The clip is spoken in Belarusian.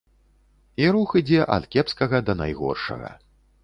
І рух ідзе ад кепскага да найгоршага.